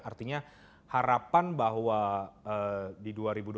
artinya harapan bahwa di dua ribu dua puluh